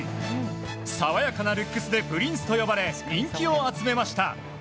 爽やかなルックスでプリンスと呼ばれ人気を集めました。